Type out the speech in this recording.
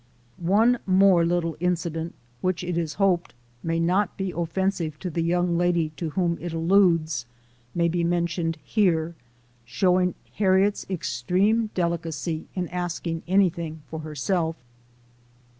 One more little incident, which, it is hoped, may not be offensive to the young lady to whom it alludes, may be mentioned here, showing Harriet's extreme delicacy in asking anything for herself.